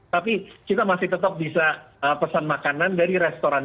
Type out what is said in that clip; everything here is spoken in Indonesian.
tapi kita masih tetap bisa pesan makanan dari restoran